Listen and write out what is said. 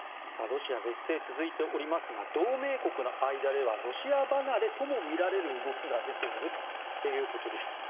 ロシアは劣勢が続いておりますが同盟国の間ではロシア離れともみられる動きが出ているということです。